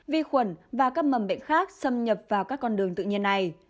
vi khuẩn và các mầm bệnh khác xâm nhập vào các con đường tự nhiên này